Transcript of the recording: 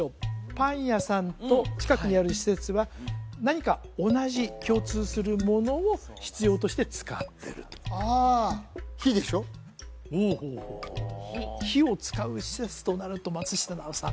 パン屋さんと近くにある施設は何か同じ共通するものを必要として使ってるとあほうほうほうほう火を使う施設となると松下奈緒さん